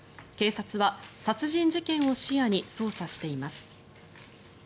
警察は殺人事件を視野に捜査しています。